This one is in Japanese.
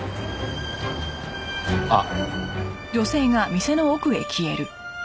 あっ！